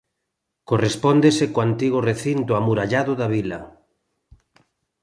Correspóndese co antigo recinto amurallado da vila.